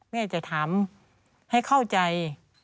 แม่จะถามให้เข้าใจ